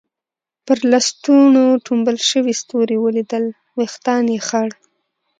پر لستوڼو ټومبل شوي ستوري ولیدل، وېښتان یې خړ.